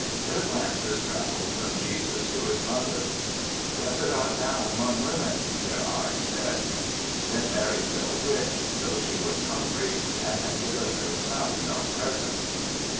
Their glances traveled from Jesus to his mother. " Blessed art thou among women,'' their eyes said. Then Mary felt rich, though she was hungry and had given her son no present.